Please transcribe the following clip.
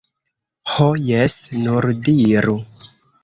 Ho jes, nur diru!